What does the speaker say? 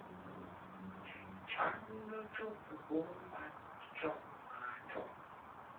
cham nochopo bor mar chong ng'ato